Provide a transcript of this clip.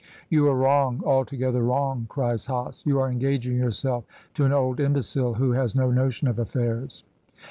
"You are wrong, altogether wrong," cries Hase. "You are engaging yourself to an old imbecile who has no notion of affairs."